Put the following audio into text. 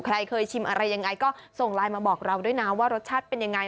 ใครเคยชิมอะไรยังไงก็ส่งไลน์มาบอกเราด้วยนะว่ารสชาติเป็นยังไง